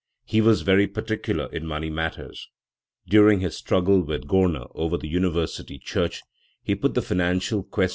He was very particular in money matters. During his struggle with Corner over the university church, he put the financial question in the * Forkel, p.